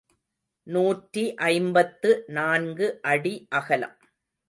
நூற்றி ஐம்பத்து நான்கு அடி அகலம்.